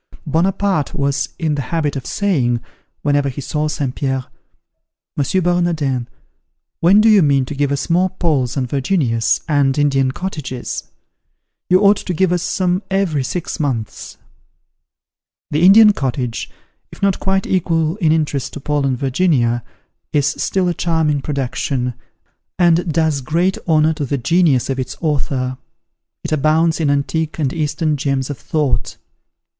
Buonaparte was in the habit of saying, whenever he saw St. Pierre, "M. Bernardin, when do you mean to give us more Pauls and Virginias, and Indian Cottages? You ought to give us some every six months." The "Indian Cottage," if not quite equal in interest to "Paul and Virginia," is still a charming production, and does great honour to the genius of its author. It abounds in antique and Eastern gems of thought.